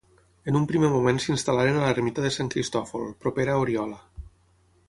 En un primer moment s'instal·laren a l'ermita de Sant Cristòfol, propera a Oriola.